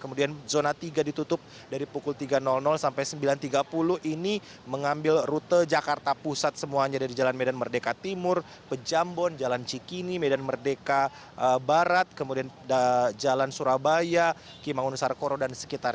kemudian zona tiga ditutup dari pukul tiga sampai sembilan tiga puluh ini mengambil rute jakarta pusat semuanya dari jalan medan merdeka timur pejambon jalan cikini medan merdeka barat kemudian jalan surabaya kimangun sarkoro dan sekitarnya